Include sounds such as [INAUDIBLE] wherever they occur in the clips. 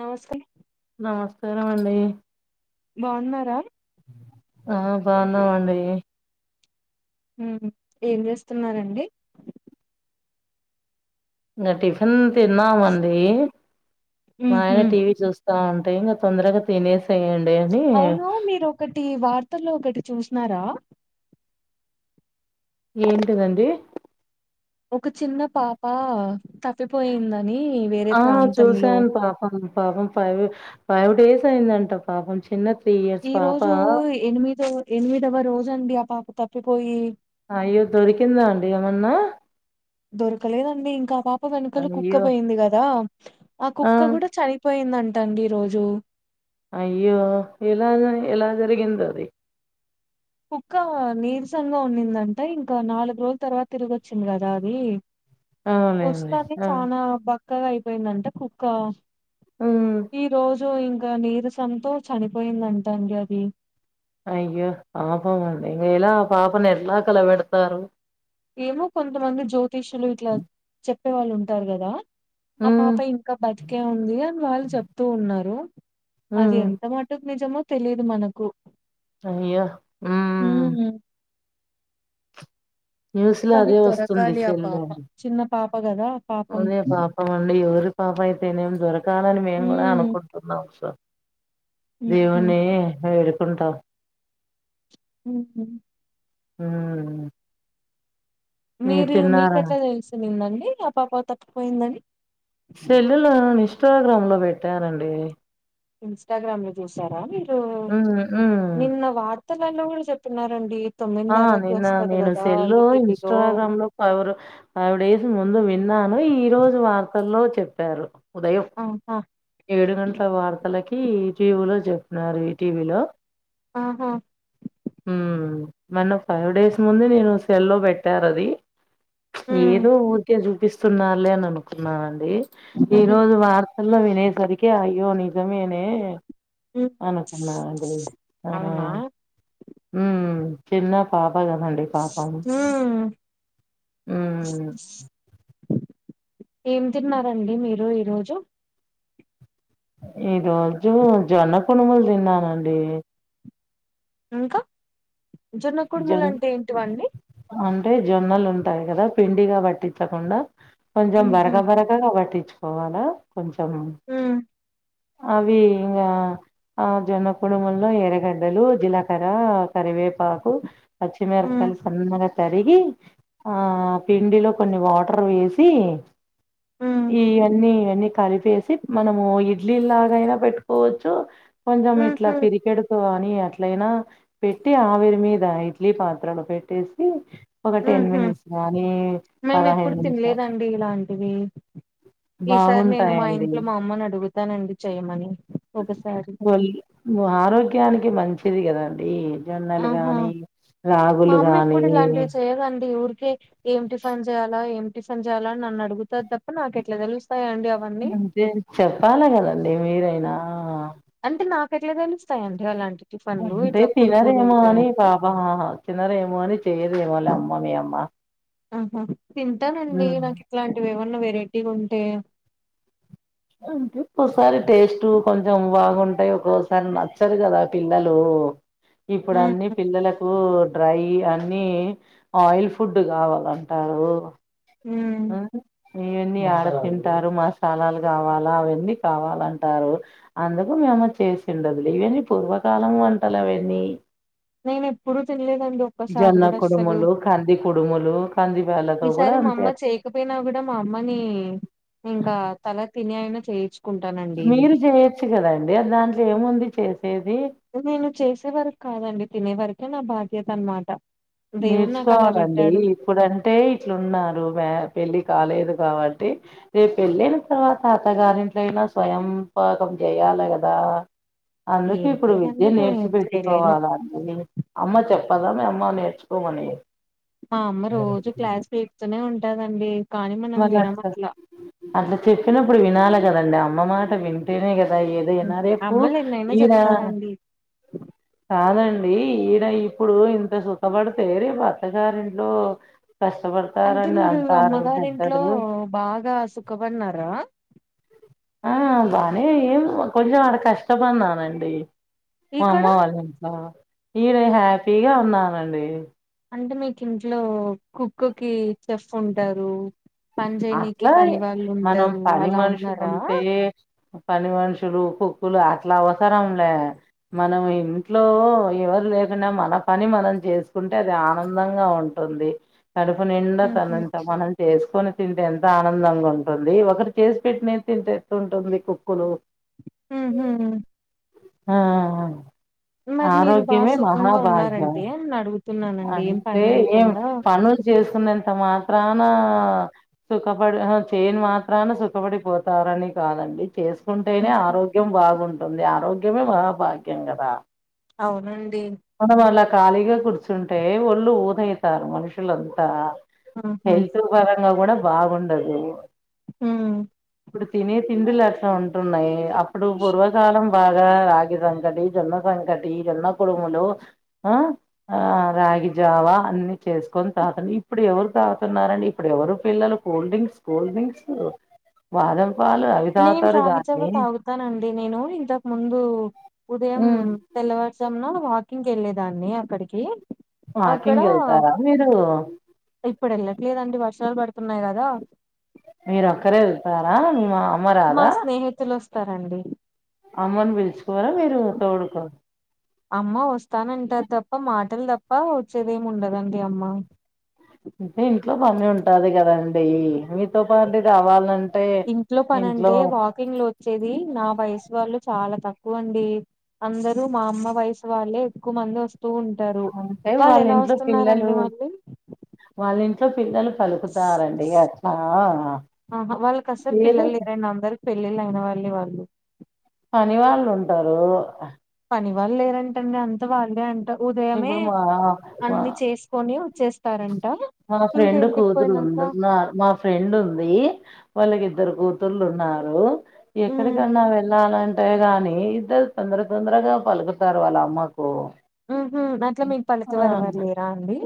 నమస్తే నమస్కారం అండి బాగున్నారా ఆ బాగున్నామండి ఉ ఏం చేస్తున్నారండి ఇంకా టిఫిన్ తిన్నామండి మాయన ఉహు. టీవీ చూస్తా ఉం టే ఇంగ తొందరగా తినేసేయం అవును మీరు ఒకటి వార్తల్లో ఒకటి చూసినారా ఏంటిదండి ఒక చిన్న పాప తప్పిపోయిందని వేరే ఆ ప్రాంతంలో చూసాను పాపం పాపం ఫైవ్ ఫైవ్ డేస్ అయిందంట పాపం చిన్న త్రీ ఇయర్స్ ఈ పాప రోజు ఎనిమిదవ ఎనిమిదవ రోజండి ఆ పాప తప్పిపోయి అయ్యో దొరికిందా అండి ఏమన్నా దొరకలేదండి ఇంకా ఆ పాప్ ప వెనుకలు కుక్క అయ్యో పోయింది కదా ఆ కుక్క కూడ చనిపోయిందం దండి ఈ రోజు అయ్యో ఎలా ఎలా జరిగిందది కుక్క నీరసంగా ఉన్నిం నంట్ట ఇంక నాలుగు రోజుల తర్వాత తిరిగి వచ్చింది కదా అది అవునండి వస్తానే ఆ చానా బక్కగా అయిపోయిందంట కుక్క ఉమ్ ఈ రోజు ఇంకా నీరసంతో చనిపోయిందంట అండి అది అయ్యో పాపమండి ఇంగ ఎలా పాపని ఎట్ల కల పెడతారు ఏమో కొంతమంది జ్యోతిషులు ఇట్లా చెప్పే వాళ్ళు ఉంటారు కదా ఆ ఉమ్ పాప ఇంకా బతికే ఉంది అని వాళ్ళు చెప్తూ ఉన్నారు అది హ్మ్ ఎంత మటుకు నిజమో తెలిదు మనకు అయ్యో ఊ ఉమ్ న్యూస్ లో కానీ అదే వస్తుంది దొరకాలి ఆ సెల్లో పాప చిన్న పాప కదా పాపం అదే పాపం అండి ఎవరి పాప అయితేనేం దొరకాలని మేము కూడ ఉమ్ అనుకుంటున్నాం సో ఉమ్ దేవున్ని వేడుకుంటాం ఉహు ఊ మీరు మీకు ఎట్లా తెలిసిందండి ఆ పాప తప్పి పోయిందని సెల్లెలు ఇస్టాగ్రామ్ లో పెట్టారండి ఇస్టాగ్రామ్ లో చూసారా మీరు ఉ ఉమ్ ఇస్టాగ్రామ్ లో గూడా చెప్పుతున్నారండి ఆ నిన్న నేను సెల్ ఈటీవీలో ఇన్స్టాగ్రామ్ లో ఎవరో ఫైవ్ డేస్ ముందు విన్నాను తను ఈ రోజు వార్తల్లో చెప్పారు ఆహా ఏడు గంటల వార్తలకి ఈటీవీలో చెప్తున్నారు ఈ టీవీలో ఆహా మొన్న ఫైవ్ డేస్ ముందు నేను సెల్ లో పెట్టారు అది ఉమ్ ఏదో ఊరికే చూపిస్త స్తున్నారులె అని అనుకున్నానండి ఈ ఉహు రోజు వార్తల్లో వినే సరికి అయ్యో నిజమేనే ఉ అనుకున్నా అండి ఆ అవునా ఉ చిన్న పాప కదండి పాపం ఉమ్ హ్మ్. [INAUDIBLE] ఏం తిన్నారండి మీరు ఈరోజు ఈ రోజు జొన్న కునుములు తిన్నానండి ఇంకా జొన్న కుడుములు జొన్ అంటే ఏంటివండి అంటే జొన్నలు ఉంటాయి గదా పిండిగా పట్టించకుండా కొంచెం ఉహు బరక బరకగా పట్టించు కోవాలా కొంచం ఉమ్ అవి ఇంగా ఆ జొన్న కుడుములో ఎరగడ్డలు జీలకర్ర కరివేపాకు పచ్చి ఉమ్ మిరపకాయలు సన్నగా తరిగి ఆ పిండిలో కొన్ని వాటర్ వేసి ఉమ్ ఇవన్నీఅన్నీ కలిపేసి మనము ఇ ఇడ్లీ లాగైనా పెట్టుకోవచ్చు కొంచెం ఇట్లా ఉహు పిరికెడుతో గాని అట్లయినా పెట్టి ఆవిరి మీద ఇడ్లీ పాత్రలు పెట్టేసి ఒక టెన్ ఉహు మినిట్స్ గానీ పదహేను నిమిషాలు ఇది ఈసారి నేను మా బాగుంటాయండి. ఇంట్లో మా అమ్మని అడుగుతా దానండి చెయమని ఒకసారి ఇది కదాండి జొన్నలు ఆహా గాని రాగులు గాని హే ఏమి టిఫన్ చేయాలా ఏమి టిఫన్ చేయాలా అని నన్ను అడుగుతాది తప్ప నాకు ఎట్లా తెలు అంతే చెప్పాలి కదండి మీరైనా అంటే నాకెట్లే తెలుస అంటే తినరేమో అని ఉంటాయని పాపహా తన్నరేమో అని చెయదేమో వా అమ్మే మీ అమ్మ ఆహా తింటానండి హ్మ్ నాకు ఇట్లాంటివి ఏమన్నా వెరైటీలు ఉంటే అంటే ఒక్కోసారి టేస్ట్ కొంచెం బాగుంటాయి ఒక్కోసారి నచ్చరు గదా పిల్లలు ఇప్పుడు అన్ని ఉహు పిల్లలకు డ్రై అన్ని ఆయిల్ ఫుడ్ కావాలంటారు మ్ ఇవన్నీ ఆడ తింటారు మసాలాలు కావాలా అవన్నీ కావాలంటారు అందుకు చేసి ఉండదు ఇవన్నీ పూర్వకాలం వంటలు అవన్నీ నేను ఎప్పుడూ తినలేదండి ఒక్కసారి జొన్న కూడా అస్సలు కుడుములు కంది కుడుములు కంది బాల త కూడా ఈసారి మా అంతే అమ్మ చేయకపోయినా గూడా మా అమ్మని ఇంకా తల తిని అయినా చేయొచ్చు మీరు చేయొచ్చు కదండి అ దాంట్లో ఏముంది చేస్తే నేను చేసే వరకు కాదండి తినే వరకే నా బాధ్యత అనమాట దేవుడు నాకు అలా నేర్చుకోవాలండి పెట్టాడు ఇప్పుడంటే ఇట్లున్నారు మా పెళ్ళి కాలేదు కాబట్టి రేపు పెళ్లయిన తర్వాత అత్తగారింట్లో అయిన స్వయంపాకం చేయ యాల కదా అందుకు ఏం ఇప్పుడు విద్య లేదండి నేర్చి నేనేం చేయలేను పెట్టుకోవాలండి అమ్మ చెప్పదా మీ అమ్మ నేర్చుకో మని మా అమ్మ రోజు క్లాస్ పీకుతూనే ఉంటాదండి మళ్ళ అట్ అట్లా చెప్పినప్పుడు వినాలి కదండి అమ్మ మాట వింటేనే కదా హ్మ్. ఏదైనా రేపూ అమ్మలు ఎన్నైనా ఈడా చెప్తారండి కాదం డి ఇడ ఇప్పుడు ఇంత సుఖపడితే రేపు అత్తగారి ఇంట్లో కష్టపడతారని అంతా అంటారు ఇంట్లో పెద్దలు బాగా సుఖపడిన్నారా ఆ బానే ఏం కొంచెం అడ కష్టపడిన అండి మా అమ్మ ఇక్కడ వాళ్ళ ఇంట్లో ఈడా హ్యాపీగా ఉన్నానండి అంటే మీకు ఇంట్లో కుక్ కి చెఫ్ ఉంటరు అట్లా మనం పని అలా మనుషులు ఉన్నారా ఉంటే పని మనుషులు కుక్కులు అట్లా అవసరంలే మనం ఇంట్లో ఎవ రు లేకున్నా మన పని మనం చేసుకుంటే అది ఆనందంగా ఉంటుంది కడుపు నిండా ఊహూ పనంత మనం చేసుకొని ఉంటే ఎంత ఆనందంగా ఉంటుంది ఒకరు చేసి పెట్టినయి తింట ఎట్లుంటుంది కుక్కులు ఉహు ఆ ఆ మీరు బాగా ఆరోగ్యమే సుఖంగా మహాభాగ్యం ఉన్నారంటే అని అడుగుతున్నానండి ఏం అంటే పని ఏం లేకుండా పనులు చేసుకున్నంత మాత్రాన ఆ సుఖపడి ఆహా చేయాన్ మాత్రాన సుఖపడిపోతారని కాదండి చేసు చేసుకుంటేనే హుహు. ఆరోగ్యం బాగుంటుంది ఆరోగ్యమే మహా భాగ్యం కదా అవునండి మనం అలా ఖాళీగా కూర్చుంటే ఒళ్ళు ఊదైతారు మనుషులంతా ఆహా హెల్త్ పరంగా కూడా బాగుండదు హ్మ్. ఇప్పుడు తినే తిండులు అట్లా ఉంటున్నాయి అప్పుడు పూర్వకాలం బాగా రాగి సంకటి జొన్న సంకటి జొన్న కుడుములు ఆ ఆ రాగి జావా అన్ని చేసుకొని తాగుతున్నా ఇప్పుడు ఎవరు తాగుతున్నారండి ఇప్పుడు ఎవరు పిల్లలు కూల్ డ్రింక్స్ కూల్ డ్రింక్స్ పాలు అవి నేను తాగుతారు రాగి జావా గానీ తాగుతానండి నేను ఇంతకు ముందు ఉదయం ఉమ్ తెల్ల వారు జామున వాకింగ్ వెళ్ళలేదాన్ని అక్కడికి అక్కడ వాకింగ్ వెళ్తారా మీరు ఇప్పుడు వెళ్ళట్లేదండి వర్షాలు పడుతున్నాయి కదా మీరు ఒక్కరే వెళ్తారా మా అమ్మ మా రాదా స్నేహితులు వస్తారండి అమ్మను పిలుచుకోరా మీరు తోడుకు అమ్మ వస్తానంటారు తప్ప మాటలు తప్ప వచ్చేదేమి ఉండదండి అమ్మ అంటే ఇంట్లో పని ఉంటది కదండీ మీతో పాటు రావాలంటే ఇంట్లో పని అంటే ఇంట్లో వాకింగ్ లో వచ్చేది నా వయసు వాళ్ళు చాలా తక్కువ అండి అందరు మా అమ్మ వయసు వాళ్ళే ఎక్కువ మంది వస్తు ఉంటారు అంటే వాళ్ళు వాళ్ళ ఎలా ఇంట్లో పిల్లలు వస్తున్నారండి మళ్ళీ వాళ్ళ ఇంట్లో పిల్లలు పలుకుతారండి అట్లా అహ వాళ్ళకసలు ఏదో పిల్లలు లేరండి అందరికి పెళ్ళి అయిన వాళ్ళే వాళ్ళు పని వాళ్ళు ఉంటారు పని వాళ్ళు లేరంటండి అంత వాళ్ళే అంట ఉదయమే ఇప్పుడు మా మా అన్ని చేసుకొని వచ్చేస్ మా ఫ్రెండ్ కూతురు ఉంది నా మా ఫ్రెండ్ ఉంది వాళ్ళకి ఇద్దరు కూతుర్లు ఉన్నారు ఉమ్ ఎక్కడికన్నా వెళ్ళాలం టే గాని ఇద్దరు తొందర తొందరగా పలుకుతారు వాళ్ళ అమ్మకు ఉహు అట్ల మీకు పలికే వారు ఎవరు లేరా అండి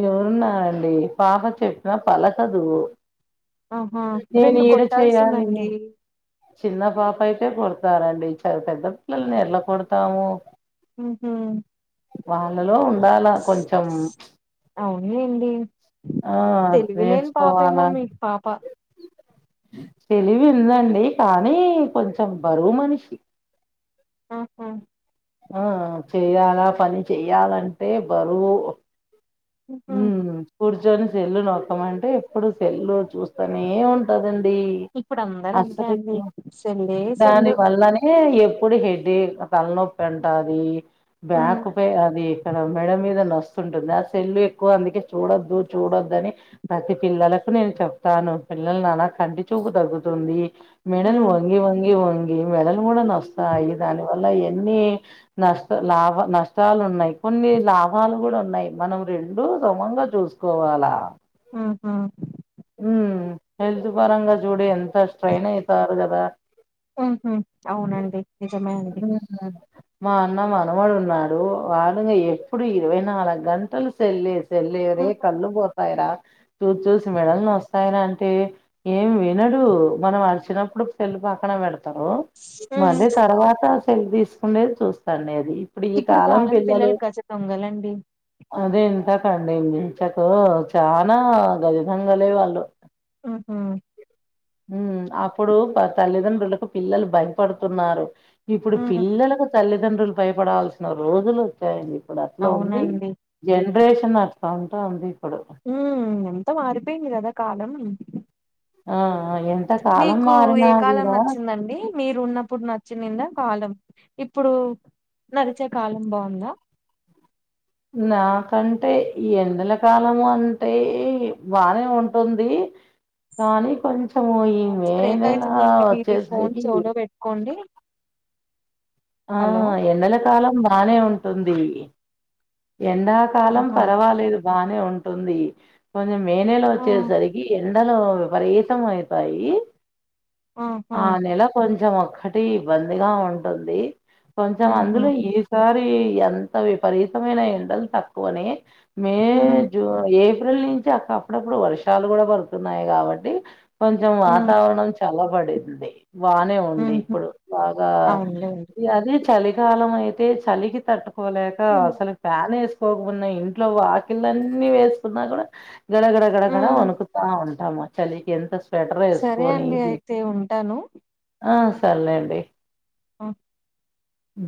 ఎవురూ ఉన్నారండి పాప చెప్పినా పలకదు ఆహా నేను రెండు ఈడ చేయాలి కొట్టాల్సిందండి చిన్న పాప అయితే కొడతారండి చ పెద్ద పిల్లల్ని ఎలా కొడతాము ఉహు వాళ్ళలో ఉండాల కొంచెం అవునులేండి ఆ తెలివిలేని పాపేమో నేర్చుకోవాలా మీ పాప తెలివి ఉందండి కానీ కొంచెం బరువు మనిషి అహ ఆ చేయాలా పని చెయ్యాలంటే బరువు ఉహు ఉమ్ కూర్చొని సెల్లు నొక్కమంటే ఎప్పుడు సెల్లు చూస్తానే ఉంటదం డి ఇప్పుడు అందరు అంతే అండి సెల్లే దాని సెల్లు వల్లనే ఎ ఎప్పుడు హెడేక్ తలనొప్పి అంటాది ఉ బ్యాక్ పై అది ఇక్కడ మెడ మీద నొస్తుంటుందా ఆ సెల్లు ఎక్కువ అందుకే చూడొద్దు చూడొదని ప్రతి పిల్లలకు నేను చెప్తాను పిల్లల్నా లా కంటి చూ పు తగ్గుతుంది ఉ మెడలు వంగి వంగి వం మెడలు కూడా వస్తాయి దాని వల్ల ఎన్ని నష్ట లాభ నష్టాలు ఉన్నాయి కొన్ని లాభాలు కూడా ఉన్నాయి మనం రెండూ సమంగా చూసుకోవాలా ఉహు ఉ హెల్త్ పరంగా చూడి ఎంత స్ట్రెయిన్ అయితారు కదా ఉహు అవునండి నిజమే అండి ఉమ్. మా అన్న మనమడు ఉన్నాడు వాడు ఎప్పుడు ఇరవై నాలుగు గంటలు సెల్లె తెళ్లిరే ఉహు కళ్ళు పోతాయిరా చూ చూ మెడల్ని నోస్తాయి రా అంటే ఏం వినడు మనం అరిచిన్నప్పుడు సెల్లు పక్కన పెడత్ తరు ఉ మల్లి తర్వాత సెల్ తీసుకుండేది చూస్తాండేది ఇప్పుడు ఈ కాలం పిల్లలు అది ఇంత డి మించకు చానా గరితంగా లే వాళ్ళు ఉహు ఉ అప్పుడు తల్లిదండ్రులకు పిల్లలు భయపడుతున్నారు ఇప్పుడు ఉ పిల్లలకు తల్లిదండ్రులు పైపడావల్సిన రోజులు వచ్చాయండి ఇప్పుడు అట్లా ఉంది అవునండి జనరేషన్ అట్లా ఉంటా ఉంది ఉ ఎంత మారిపోయింది కదా కాలం అ అ ఏం మీకు ఏ కాలం నచ్చిందండి మీరు ఉన్నప్పుడు నచ్చింనిందా కాలం ఇప్పుడు నరిచే కాలం బాగుందా నాకంటే ఈ ఎండల కాలము అంటే బానే ఉంటుంది కానీ కొంచము ఈ మే స్ప్రేక్ నెల అయితుందండి మీది ఫోన్ వచ్చేసరికి చెవులో పెట్టుకోండి ఆ హలో ఎండల కాలం బానే ఉంటుంది ఎండాకాలం ఆహా పర్వాలేదు బానే ఉంటుంది కొంచెం మే నెల ఆ వచ్చేసరికి ఎండలు విపరీతంగ పెరుగుతాయి ఆహా ఆ నెల కొంచం ఒక్కటి ఇబ్బందిగా ఉంటుంది కొంచెం ఉహు అందులో ఈసారి ఎంత విపరీతమైన ఎండలు తక్కువని మే ఉ జూ ఏ ఏప్రిల్ నుంచి అక్క అప్పుడప్పుడు వర్షాలు కూడ పడుతున్నాయి కాబట్టి కొంచెం వాతావరణం చల్లబడింది బానే ఉంది ఉహు ఇప్పుడు బాగ అవునులేండి అదే చలికాలం అయితే చలికి తట్టుకోలేక అసలు ఫ్యాన్ ఏ పోకున్న ఇంట్లో వాకిళ్ళ అన్ని వేసుకున్నా కూడా గడగడ ఉ గడగడ వణుకుతా ఉంటాము చలికి ఎంత స్వెటర్ సరే ఎస్కొని అండి అయితే ఉంటాను [UNINTELLIGIBLE] సర్లే అండి ఆ అ